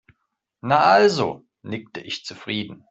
Na also, nickte ich zufrieden.